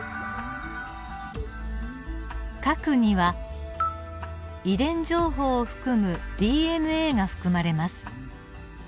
核には遺伝情報を含むＤＮＡが含まれます。